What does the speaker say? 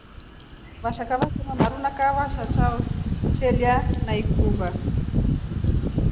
Vashaka vetema maru na kahava sha chao chelya na ikumba.